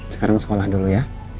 sekarang sekolah dulu ya